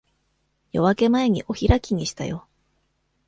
夜明け前にお開きにしたよ。